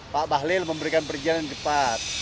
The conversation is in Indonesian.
pak bahlil memberikan perizinan dengan cepat